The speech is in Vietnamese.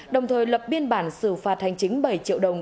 đồng thời lập biên bản xử phạt hành chính bảy triệu đồng